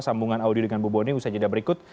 sambungan audio dengan ibu boni usai jadwal berikut